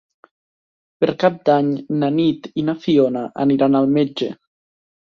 Per Cap d'Any na Nit i na Fiona aniran al metge.